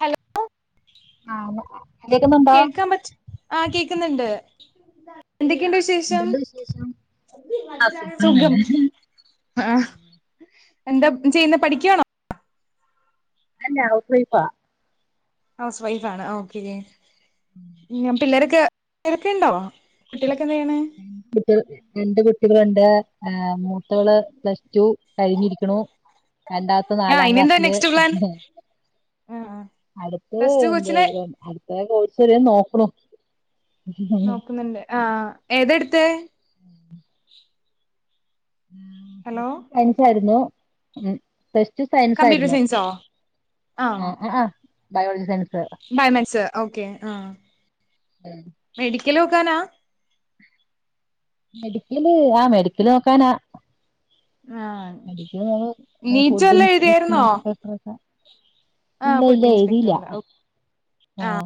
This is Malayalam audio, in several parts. ഹലോ ആഹ് കേക്കുന്നുണ്ടോ കേൾക്കാം പറ്റുന്നില്ല ആഹ കേക്കുന്നുണ്ട് എന്തൊക്കെയുണ്ട് വിശേഷം എന്തുണ്ട് വിശേഷം ആഹ് സുഖം തന്നെ ആഹ എന്താ ചെയ്യുന്നത് പഠിക്കവാണോ അല്ലെ ഹൗസ് വൈഫ്ആ ഹൗസ് വൈഫാണ് ഓക്കെ ഞാൻ പിള്ളേര്ക്ക് ള്ളേരൊക്കെണ്ടോ കുട്ടികള കൾ രണ്ട് കുട്ടിക [unintelligible] ആഹ് മൂത്തവള് പ്ലസ് ടു കഴിഞ്ഞിരിക്കണു രണ്ടാമത്തെ ആ നാലാം ഇനി എന്താ ക്ലാസില് നെക്സ്റ്റ് പ്ലാൻ ആ അടുത്ത് പ്ലസ് ടു എന്ത കൊച്ചിനെ അടു കോഴ്സ് വേറെ നോക്കണു നോക്കുന്നുണ്ട് ആഹ് ഏതെടുത്തെ ഹലോ സയൻസ് ആരുന്നു ഉം പ്ലസ്ടു സയൻസ് കമ്പ്യൂട്ടർ ആയിരുന്നു സയൻസോ ആഹ്ഹാ ബയോളജി [unintelligible] ഓകെ മെഡിക്കൽ നോക്കാനാ [unintelligible] ആഹ് മെഡിക്കല് നോക്കാനാ ആ പഠിക്കുന്നത് നീറ്റ് ഫുഡ് വല്ലോം എഴുതിയായിരുന്നോ ഇൻസ്പെക്ടർക്കാ ആ ഇല്ല ഇല്ല ഫുഡ് എഴുതീല്ലാ ഇൻസ്പെക്ടറിന്റെ ആ ആഹ്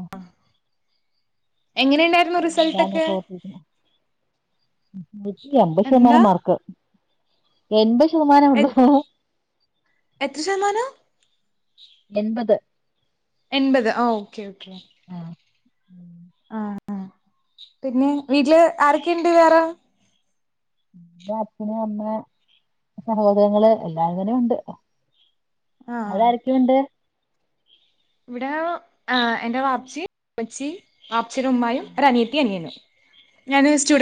എങ്ങനെയുണ്ടായിരുന്നു [unintelligible] റിസൾട്ടൊക്കെ അമ്പത് ശതമാനം എന്താ മാർക്ക് എന്ത് എത് എത്ര ശതമാനം എൻപത് എൻപത് ആ ഓക്കേ ഓക്കേ ആ ആ, പിന്നെ വീട്ടില് ആരൊക്കെയുണ്ട് വേറെ? എന്റെ അച്ഛനും, അമ്മയും, സഹോദരങ്ങള് എല്ലാവരും ഉണ്ട്. ആ അവിടെ ആരൊക്കെ ഉണ്ട്? ഇവിടെ എന്റെ വാപ്പിച്ചി, ഉമ്മച്ചി മ അച്ഛനുന്മായും ഒരു അനിയത്തി അനിയന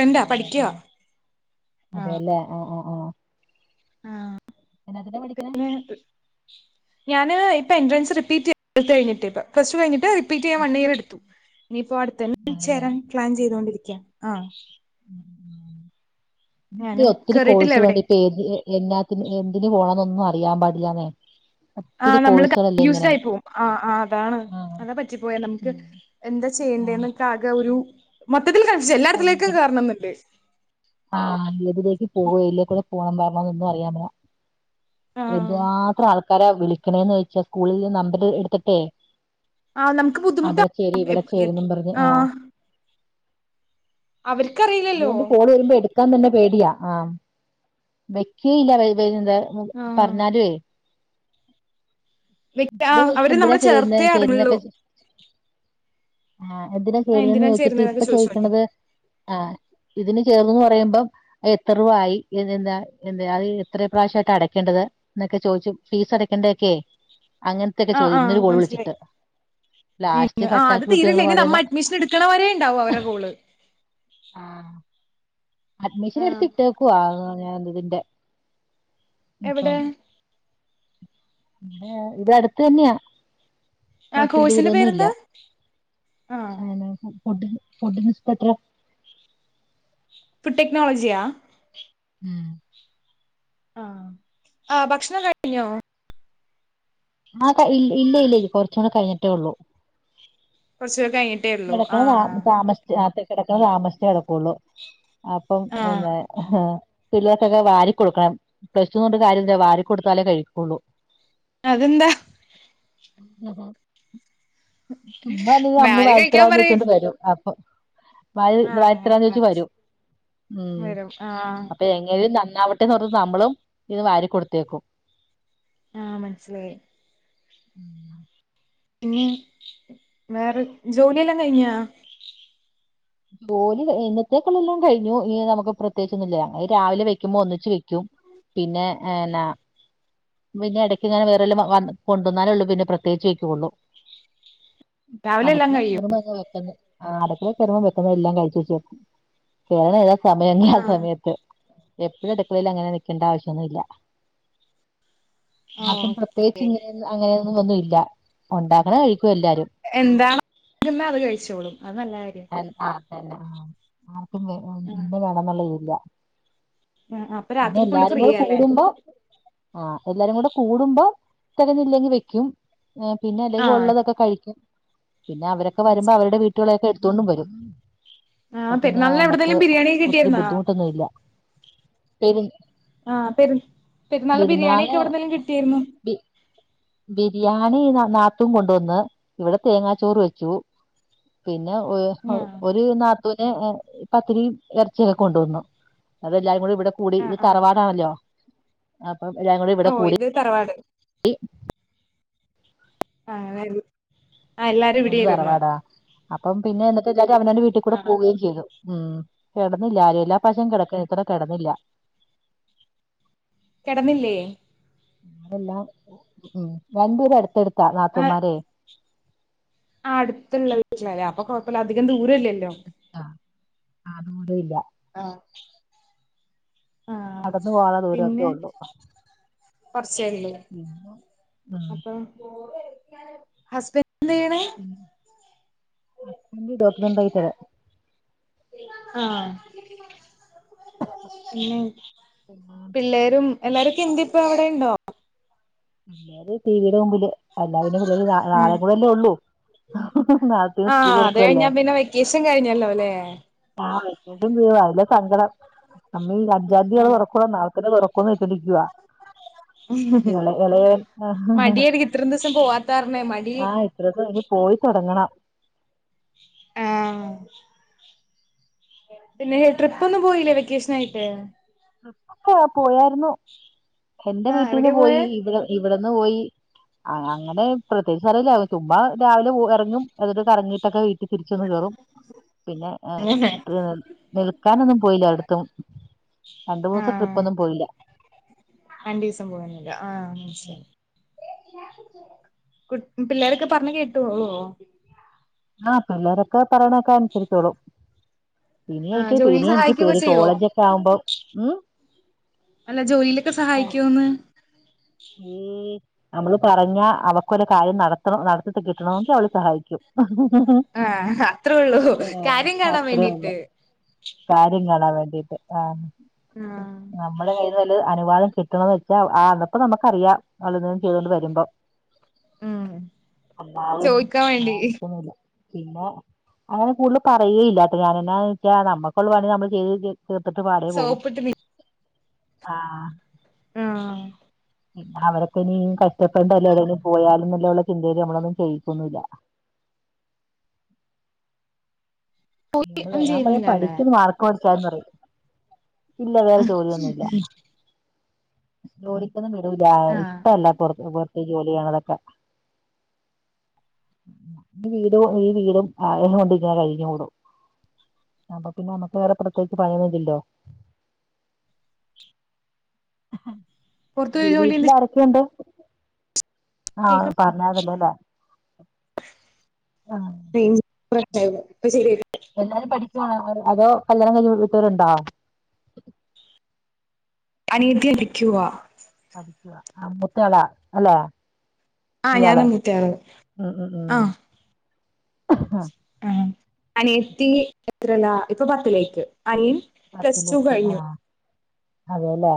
അതെ അല്ലേ, ആഹ, ആ അതെ അല്ലേ ആ ആ ആ [unintelligible] എന്നതിനാ പഠിക്കണേ? പിന്നെ ഞാന് ഇപ്പം എൻട്രൻസ് റിപ്പീറ്റ് [inaudible] പ്ലസ് ടു കഴിഞ്ഞിട്ട് റി റിപ്പീറ്റ് ചെയ്യാൻ വൺ ഇയർ എടുത്തു. ഇനിയിപ്പോ അടുത്തേന് അതെല്ലേ ചേരാൻ പ്ലാൻ ചെയ്തൊണ്ടിരി [unintelligible] ഇനി ഞാനും ഒത്തിരി കേറിയിട്ടില്ല എവിടേം കോഴ്സുകളുണ്ട് ഇപ്പോ, ഏത് എന്നാ എന്തിന് പോണോന്നൊന്നും അറിയാൻ പാടില്ലാന്നെ. ആ, നമ്മള് കൺഫ്യൂസ്ഡ് ആയി പോകും. ആ, ആ അതാണ് ആ അതാ പറ്റിപ്പോയെ നമുക്ക് ഉം. എന്താ ആ ചെയ്യണ്ടേന്നൊക്കെ ആകെ ഒരു മൊത്തത്തിൽ കൺഫ്യൂഷൻ എല്ലായിടത്തിലേക്കും ഭയങ്കര കേറണന്നുണ്ട്. ആ, ഏതിലേക്ക് പോകും, എതിലേക്കൂടെ പോണം. അതൊന്നും അറിയാമേല ആഹ് എന്തുമാത്രം ആ ക്കാരാ വിളിക്കണേന്ന് വെച്ച സ്കൂളിന്ന് നമ്പര് എടുത്തിട്ടേ ആ നമുക്ക് ബുദ്ധിമുട്ട അവിടെ ചേര് ഇവിടെ ചേര്ന്നും പറഞ്ഞ് ആഹ് [unintelligible] അവര്ക്കറിയില്ലല്ലോ അതുകൊണ്ട് കോള് വരുമ്പോ എടുക്കാൻ തന്നെ പേടിയാ ആ വെകേയ്യില്ല [unintelligible] ആഹ് പറഞ്ഞാലുയവേയ് ഇത്ര [unintelligible] ദിവസം അവര് എന്തിനാ ചേരുന്നേ നമ്മളേചേർത്തേ അടങ്ങുള്ളു. ചേരുന്നൊക്കെ ആ എതിനാ ചേരുന്നേന്ന് ചോദിച്ചിട്ട് ചേരുന്നേന്നൊക്കെ ഇപ്പ ചോദിച്ചോക്കും ചോദിക്കണത് ആ് ഇതിന് ചെറുന്ന് പറയുമ്പം എത്ര രൂപ ആയി [inaudible] അത് എത്ര പ്രാവശ്യയിട്ട് അടക്കേണ്ടത് എന്നൊക്കെ ചോദിച്ചു ഫീസ് അടക്കേണ്ടൊക്കെയെ ആഹ ആഹ മനസ്സിലായി ലാസ്റ്റ് വീട്ടില് ആ് അത് കട്ടാക്കി വിട്ടു ഞങ്ങള് തീരെല്ല ഇനി പാടേന്ന് നമ്മ അഡ്മിഷൻ എടുക്കണവരേ ഉണ്ടാവും അവരെ കോള് ആഹ് അഡ്മിഷൻ ആഹ് എടുത്തിട്ടേക്കുവാ ഞാൻ ഇതിന്റെ എവിടെ ഇപ്പം ഇത് ഇതട്തന്ന്യാ ആ കോയിസിന്റെ പേരെന്താ ആഹ് ഫുഡ് ഫുഡിൻസ്‌പെക്ട്രാ [inaudible] ഫുഡ് ടെക്നോളജിയാ ഉം ആ ആ ഭക്ഷണം കഴിഞ്ഞോ ആത് ഇല്ഇല്ലേ ഇല്ലയ്ല്ലേ കുറച്ചൂടെ കഴിഞ്ഞിട്ടേ ഒള്ളൂ പശെ കിടക്ക്ണ താ താമസിച്ച് ആ കിടക്കണെ താമസിച്ചേ കിടക്കുവൊള്ളൂ അപ്പം ആഹ് എന്താ ഹ് പിള്ളേർക്കൊക്കെ വാരി കൊടുക്കണം പയ്ച്ചുറഞ്ഞിട്ട് കാര്യല്ല വാരി കൊടുത്താലേ കഴിക്കുള്ളൂ അതന്താ ഹ് ഹ് ചുമ്മല്ലി അന്ന് ആര് വൽ കഴിക്കാൻ പറയ് എത്രാന്ന്ചൊണ്ട് വരും ഒഹ് വാര് ആഹ് അങ്ങനെ വരിത്രാന്ന്വെച്ച് വരും ഉം വരും ആഹ് അപ്പെ എങ്ങെര് അവിട്ത്തെന്നെറൂത്ത് നമ്മളും ഇത് വാരി കൊടുത്തേക്കും ആഹ് മൻസ്സിലായി ഉം ഇണ്യ വേറെ ജോലി എല്ലാം കഴിഞ്ഞാ ബോലി കഴ് ഇന്നത്തേക്ക് ലെല്ലാം കഴിഞ്ഞു ഈ നമുക്ക് പ്രത്യേയിച്ചൊന്നുല്ല അത് രാവിലെ വെക്കുമ്പോ ഒന്നിച്ച് വെക്കും പിന്നെ എന്നാ പിന്നെ എടക്ക് ഇങ്ങനെ വേറെല്ല വ വന്ന് കൊണ്ടൊന്നാനൊള്ളൂ പിന്നെ പ്രത്യേകിച്ച് വെക്കുന്നു രാവിലെ എല്ലാം അതെക്കെ കഴിയും [unintelligible] ആഹ് അതെക്കെ [unintelligible] ചെറിമൊൻ [unintelligible] എല്ലാം കഴിച്ചേച്ച് [unintelligible] സമയൊന്ന്ലാ ആഹ് സമയത്ത് എപ്പഴും തെപ്പോയില ങ്ങനെ നിക്കണ്ട ആവശ്യോന്നുല്ല ഓഹ് ആർക്കും പ്രത്യേകിച്ച് ഇങ്ങനെ അങ്ങനെയൊന്നൊന്ന് ഒന്നു ഇല്ല ല്ല ഉണ്ടാക്ക്ണ കഴിക് എന്താണെ ങ്കിലും അവര് കഴിച്ചോളും അത് നല്ല കാര്യം [unintelligible] ആ ആ ആഹ് [unintelligible] വേണെന്നുള്ള തില്ല ആഹ് അപ്പൊ രാത്രി ഫുള്ള് എല്ലാരും ഫ്രീയാല്ലേ കൂടുമ്പോ ആ എല്ലാരും കൂടുമ്പോ തെകഞ്ഞില്ലെങ്കിൽ വെയ്ക്കും പിന്നെ അല്ലെങ്കിൽ ആഹ് ഉള്ളതൊക്കെ കഴിക്കും പിന്നെ അവരൊക്കെ വരുമ്പോ മനസ്സിലായി അവരുടെ വീട്ടില തോണ്ടും വരും ആ പിന്നെ പെരുന്നാളിന് നമുക്ക് എവിടന്നേലും ബിരിയാണിയൊക്കെ കിട്ടിയാരുന്നാ ശരി ആ പെരു പെരുന്നാളിന് ബിരിയാണി ഒക്കെ എവിടെന്നേലും കിട്ടിയായിരുന്നോ ബി ബിരിയാണി നാ നാത്തൂൻ കൊണ്ടുവന്ന് ഇവിടെ തേങ്ങാച്ചോറ് വെച്ചു പിന്നെ പിന്നെ ആഹ് ഒരു നാ [unintelligible] പത്തിരിയും ഇറച്ചിയൊക്കെ കൊണ്ടുവന്നു അതെല്ലാ ഇവിടെ കൂടി ഇത് ആഹ് ആഹ് തറവാടാണല്ലോ അ അ ഞങ്ങളിവിടെ ഓഹ് കൂടി ഇത് [unintelligible] തറവാട് ടി ആ [unintelligible] ആ എല്ലാരും ഇത് ഇവിടിര്ന്ന് തറവാടാ അപ്പം പിന്നെ എന്നത്തെ എന്നിട്ട് അവനന്റെ വീട്ടി കൂടെ പോകേം ചെയ്തു ഉം കെട്ന്നില്ല ആരും എല്ലാ പ്രാവശ്യോം കെട്ക്കണ ഇത്തവണ കെട്ന്നില്ല. കെടന്നില്ലേ അതെല്ലാം ഉം വണ്ടി ഇവ്ടെ അടുത്തട്ത്ത് ആ നാത്തൂൻമാരെ ആ അടുത്തുള്ള വീട്ടിലല്ലേ അപ്പൊ കൊഴപ്പല്ല അധികം ദൂരല്ലെല്ലോ. ആ ആ ദൂര ഇല്ല. ആ നടന്ന് പോവാള്ള ദൂരെക്കെ പിന്നെ ഒള്ളു. പിന്നെ ഉം അപ്പോൾ ഹസ്ബ ഉം [unintelligible] ആ പിന്നെ പിള്ളേരും എല്ലാരൊക്കെ എന്തെ ഇപ്പ അവിടെ ഇണ്ടോ? മ് അത് [unintelligible] [unintelligible] എല്ലാ പിന്നെ പിള്ളേര് ഉം നാളെകൂടെ അല്ലെ ഉള്ളൂ നാളതന്നെ സ്കൂൾ ആഹ് അത് തുറക്കല്ലെ കഴിഞ്ഞാ പിന്നെ വെക്കേഷൻ കഴിഞ്ഞല്ലോ അല്ലേ ആ ല്ല സങ്കടം നമ്മീ അഞ്ചംതിയതി തൊറാ ക്കോ അതോ നാളെ തന്നെ തോറാകുവോന്നു [unintelligible] ഉം ഹ് ആഹ് പോവാത്താരണേ മടി ആ ഇത്രസം ഇനി പോയിത്തൊടങ്ങണം ആഹ് പിന്നെ ട്രിപ്പോ ഒന്നും പോയില്ലേ വെക്കേഷൻ ആയിട്ട്. ട്രിപ്പൊക്കെ ആ പോയാര്ന്നു എന്റെ ആഹ് വീട്ടിന്ന് എവിടെയാ പോയി പോയേ ഇവ ഇവിടെന്ന് പോയി. ആ അങ്ങനെ പ്രത്യേകിച്ച് സ്ഥലല്ലാ ചുമ്മാ രാവിലെ ഇറങ്ങും എന്നിട്ട് കറങ്ങിയിട്ടൊക്കെ വീട്ടി ട്ടി തിരിച്ചൊന്ന് കേറും പിന്നെ നിൽക്കാനൊന്നും പോയില്ലായിടത്തും. ആഹ് രണ്ടിസം പോവാനില്ല ആഹ് മനസ്സിലായി കു പിള്ളേരൊക്കെ പറഞ്ഞ കേട്ടോളോ ആഹ് പിള്ളേരൊക്കെ പറയണൊക്കെ അനുസരിച്ചോളു. പിന്നെ ആഹ് എനിക്ക് ജോലിയിൽ പിന്നെ എനിക്ക് സഹായിക്കൊക്കെ പേടി ചെയ്യോ കോളേജ് ഒക്കെ ആവുമ്പോ ഉം അല്ല ജോലിയിലൊക്കെ ഓ, സഹായിക്കുവോന്ന് ഈ നമ്മള് പറഞ്ഞാ അവക്കൊരു കാര്യം നടത്തണം നടത്തിട്ട് കിട്ടണമെങ്കിൽ അവള് സഹായിക്കും ആ അത്രേയള്ളൂ ഏ കാര്യം കാണാൻ അത്രേ വേണ്ടീട്ട് വേണ്ടിട് ആ ആഹ് നമ്മുടെ കയ്യിൽന്ന് വല് അനുവാദം കിട്ടണ വച്ചാ ആ അപ്പൊ നമുക്കറിയാം അവളൊന്ന് ചെയ്തോണ്ട് വരുമ്പോ ഉം അമ്മാവ് ചോയിക്കാൻ വേണ്ടി സഹായിക്കൊന്നുല്ല പിന്നെ അങ്ങനെ കൂടുതല് പറയേയേയില്ല അപ്പൊ ഞാനെന്നാ വെച്ചാ നമ്മൊക്കൊള്ള പണി നമ്മള് ചെയ്ത് ചേർത്തിട്ട് പാടെ പോകും സോപ്പിട്ട് നി ആ ആ ന്നെ അവരൊക്കെ നി കഷ്ടപ്പെണ്ട ലെവല് പോയാലും ന്നോലുള്ള ചിന്തയിൽ നമ്മളൊന്നും ചെയ്യിക്കന്നില്ല തെ ഒന്നും ഞാൻ പറയാ ചെയ്യുന്നില്ലല്ലേ പഠിച്ചത് മാർക്ക് വാ ചാന്ന ഇല്ല വേറെ ജോലിയൊന്നുല്ല ലോടി ക്കൊന്നും വിടൂല ആഹ് ഇഷ്ടല്ല പോർത് പോ ജോലിയണതൊക്കെ ഈ വീടും ഈ വീടും ആയ കൊണ്ട് ഇങ്ങനെ കഴിഞ്ഞ് പോണു അപ്പൊ പിന്നെ നമ്മക്ക് വേറെ പ്രത്യേകിച്ച് പണിയൊന്നുല്ലല്ലോ ഇഹ് പുറത്ത് വി പോയി ജോലി എന്ത് വീട്ടിൽ ആരൊക്കെയുണ്ട് ആഹ കേക്ക പറഞ്ഞാ തല്ലേല പിൻ പ്ര അയ്‌വ പ്പോ ശര്യാ എല്ലാരും പഠി ന്നോ അതോ കല്യാണം കയിഞ്ഞ് വീട്ടെരുണ്ടോ അനീദ്യ ലിക്കുക ആ മുത്തള അല്ല ആ ഞാന [unintelligible] ആ ആ ആ അനിയത്തി എത്രേലാ ഇപ്പൊ പത്തിലേക്ക് അനിൻ പ്ലസ്റ്റു കഴിഞ്ഞു അതെലേ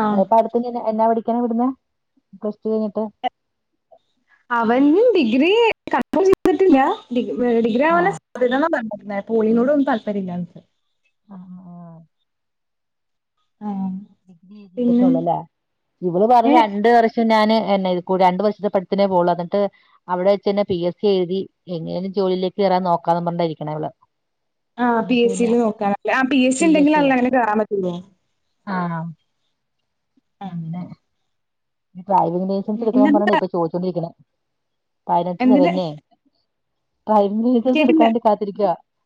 ആഹ് അത്പ്പ അടുത്ത് നി എന്നാ പഠി [unintelligible] വിട്ന്ന് കൊറച്ചു കഴിഞ്ഞിട്ട്. അവൻ ഡിഗ്രി ക [unintelligible] ചെയ്തിട്ടില്ല ഡിഗ്രി ആവാനാ ആഹ് [unintelligible] പറഞ്ഞത് പോളീനോട് ഒന്നും താല്പര്യല്ല [unintelligible] ആ ആഹ് [unintelligible] പിന്നെ ചെയ്തിട്ടുള്ളല്ലേ ഇവള് പറഞ്ഞ് ഏഹ് രണ്ട് വർഷം ഞാന് രണ്ടു വർഷത്തെ പഠപ്പിനെ പോകുള്ളൂ എന്നിട്ട് അവിടെ വെച്ചന്നെ പി എസ് സി എഴുതി എങ്ങേനേലും ജോലിക്ക് കേറാൻ നോക്കാന്ന് പറഞ്ഞിട്ടാ ഇരിക്കണേ അവള് ആ പി എസ് സിയില് നോക്കാനല്ലേ ആ പി എസ് സി ഉണ്ടെങ്കിൽ അല്ലേ അങ്ങനെ കേറാൻ പറ്റുള്ളൂ ആ [unintelligible] ഡ്രൈവിംഗ് ലൈസൻസ് എടുക്കണം പറഞ്ഞോണ്ട എന്തിനാ ഇപ്പോ ചോയ്ച്ചോണ്ടിരിക്കണേ പതിനെട്ട് എന്തിന് തെകഞ്ഞേ കേട്ടില്ല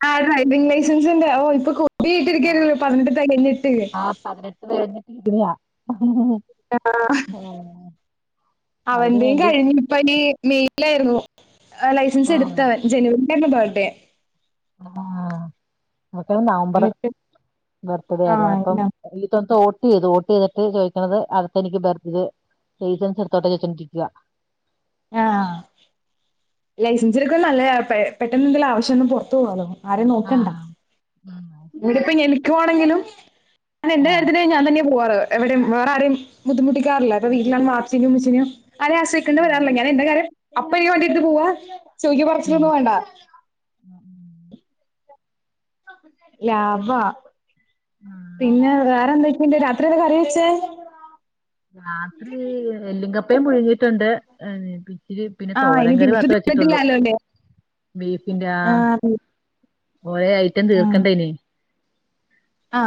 ആ ഡ്രൈവിംഗ് ലൈസൻസ് ഉണ്ട് ഓ ഇപ്പൊ കൊതിയായിട്ടിരിക്കയായിരിക്കും പതിനെട്ട് തെകഞ്ഞി ആഹ് പതിനെട്ട് തെയഞ്ഞിട്ട് [unintelligible] ഏ [unintelligible] അവന്റേം കഴിഞ്ഞു [unintelligible] മെയ്യിൽ ആയിരുന്നു [unintelligible] ആ ലൈസൻസ് എടുത്തവൻ ജനുവരി [unintelligible] ബാർ [unintelligible] ഡേ ആഹ് [unintelligible] ക്കെ നവംബർ എന്നിട്ട് ബർത്ത്ഡേ ആഹ് [unintelligible] ഇപ്പം എല്ലാം [unintelligible] [unintelligible] യ്ത് വോട്ട് ചെയ്തിട്ട് ചോദിക്കണത് അകത്തനിക്ക് [unintelligible] ലൈസൻസ് എടുത്ത [unintelligible] ക്കുവാ ആഹ് ലൈസൻസ്ക്ക് [unintelligible] ന്നല്ലതാ പെട്ടെന്ന [unintelligible] ന്തേലു [unintelligible] ആവശ്യ വന് [unintelligible] പൊറ്ത്തോണതും പ ആരേ ആ നോക്ണ്ടാ ഇ [unintelligible] പ്പം എനിക്ക് വാണങ്കിലും [unintelligible] എന്റെ കാര്യത്തിന് ഞാൻ തന്നെപോവ്ണത് എവിടെം വേറെ ആരേം ബുദ്ധിമുട്ടിക്കാറില്ല പ്പ വീട്ടിലാമ്മ വാപ്പാച്ചിനേം ഉമ്മച്ചിനേം [unintelligible] അല്ല ഞാൻ എന്റെ കാര്യം അപ്പ ഈ വണ്ടിയെടുത്തു പോവാ ചോയ്ക്ക പറിച്ചിലൊന്നും വാണ്ട. ലാഭാ പിന്നെ വേറെന്തൊക് പിന്നെ രാത്രി എന്താ കറി വെച്ചേ? രാത്രി എല്ലിംഗപ് കപ്പേം പുഴുങ്ങിട്ടുണ്ട്. ഇത് പിന്നെ ആഹ് ഇനി തോരൻ കറി ബീഫ് മാത്ര വെച്ചിട്ടുള്ളു, തിന്നിട്ടില്ലാലോ അല്ലേ ബീഫിന്റെ ആ ആഹ് ബീഫ് ഓയെ ഐറ്റം തീർക്കണ്ടെ ഇനി ആ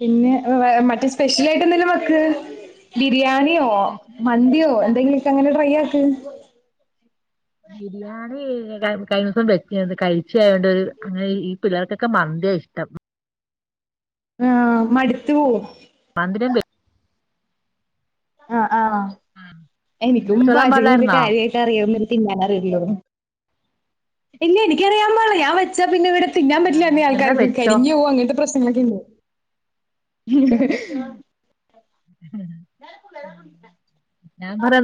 പിന്നെ മറ്റ് സ്പെഷ്യൽ ആയിട്ട് എന്തെലും വെക്ക്. ബിരിയാണിയോ മന്തിയോ എന്തെങ്കില് നിക്ക് അങ്ങനെ ട്രൈ ആക്ക്. ബിരിയാണി കഴിഞ്ഞ ദിവസം വെച്ച കഴിച്ച ആയൊണ്ട് ഒരു അങ്ങനെ ഈ പിള്ളേർക്കൊക്കെ മന്തി ആ ഇഷ്ടം. ആഹ് മടുത്തു പോം. മന്തിനേം [unintelligible] ആഹ് ആണോ. എനിക്കും ചൊല്ലാൻ പാചകം വലിയ പാടില്ലായിരുന്നോ കാര്യമായിട്ട് അറിയൊന്നില്ല. തിന്നാനറിയുള്ളു ഇല്ല എനിക്കറിയാൻ പാട്ല്ല ഞാൻ വെച്ച പിന്നെ ഇവിടെ തിന്നാൻ പറ്റില്ലാന്നേ എന്നാ ആൾക്കാർക്ക് വെച്ചോ കരിഞ്ഞുപോം അങ്ങനത്തെ പ്രശ്നങ്ങളൊക്കെയില്ലേ. ഞാ പാറാതെ.